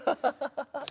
ハハハッ。